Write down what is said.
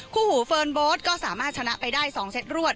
คู่หูเฟิร์นโบ๊ทก็สามารถชนะไปได้๒เซตรวด